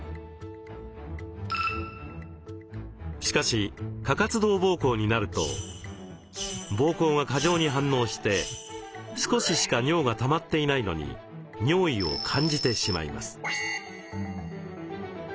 しかし過活動膀胱になると膀胱が過剰に反応して少ししか尿がたまっていないのに尿意を感じてしまいます。